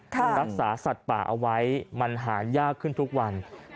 รักษาสัตว์ป่าเอาไว้มันหายากขึ้นทุกวัน